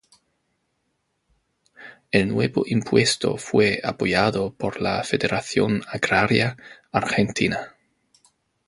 El nuevo impuesto fue apoyado por la Federación Agraria Argentina.